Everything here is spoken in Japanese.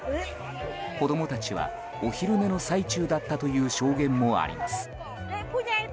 子供たちはお昼寝の最中だったという証言もあります。